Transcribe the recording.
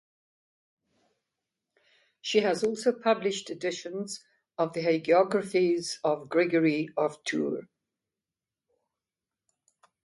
She has also published editions of the hagiographies of Gregory of Tours.